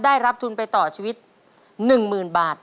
ได้รับทุนไปต่อชีวิต๑๐๐๐บาท